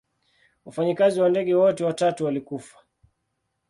Wafanyikazi wa ndege wote watatu walikufa.